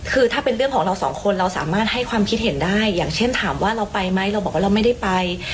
คือถ้าเป็นเรื่องของเราสองคนเราสามารถให้ความคิดเห็นได้อย่างเช่นถามว่าเราไปไหมเราบอกว่าเราไม่ได้ไป